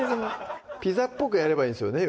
ピザっぽくやればいんですよね